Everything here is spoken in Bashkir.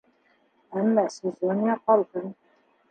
Әммә Цезония ҡалһын.